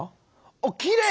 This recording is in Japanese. あっきれい。